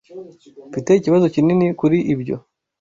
Mfite ikibazo kinini kuri ibyo.